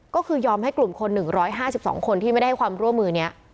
ก็คือยอมให้กลุ่มคน๑๕๒คนที่ไม่ได้ให้ความร่วมมือนี้